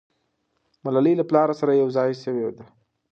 ملالۍ له پلاره سره یو ځای سوې ده.